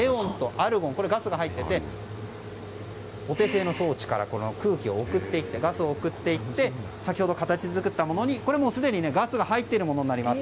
これ、ガスが入っていてお手製の装置から空気、ガスを送っていって先ほど、形作ったものにガスが入っているものになります。